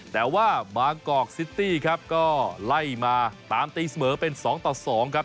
แต่ว่าบางกอกซิตี้ครับก็ไล่มาตามตีเสมอเป็น๒ต่อ๒ครับ